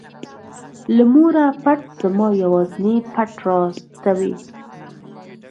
له موره پټ زما یوازینى پټ راز ته وې.